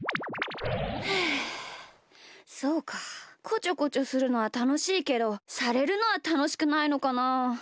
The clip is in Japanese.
こちょこちょするのはたのしいけどされるのはたのしくないのかな。